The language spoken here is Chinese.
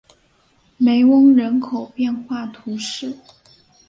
梅翁人口变化图示